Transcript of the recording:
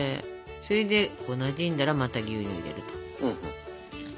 それでなじんだらまた牛乳を入れると。